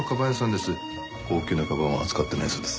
高級なカバンは扱ってないそうです。